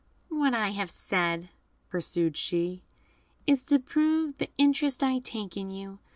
"What I have said," pursued she, "is to prove the interest I take in you.